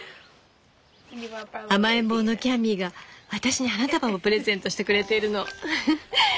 甘えん坊のキャミーが私に花束をプレゼントしてくれているの。